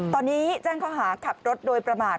ตอนนี้แจ้งข้อหาขับรถโดยประมาท